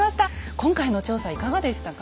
今回の調査いかがでしたか？